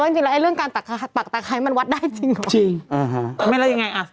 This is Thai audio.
จริง